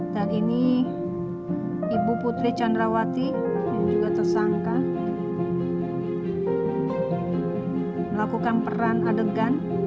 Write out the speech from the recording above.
dan ini ibu putri candrawati yang juga tersangka melakukan peran adegan